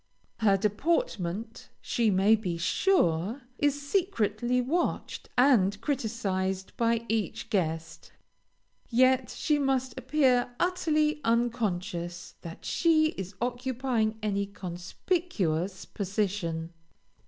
Her deportment, she may be sure, is secretly watched and criticised by each guest, yet she must appear utterly unconscious that she is occupying any conspicuous position.